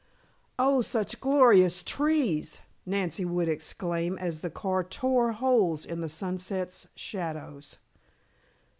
"Oh, such glorious trees!" Nancy would exclaim as the car tore holes in the sunset's shadows.